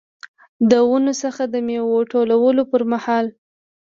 د ونو څخه د میوو ټولولو پرمهال.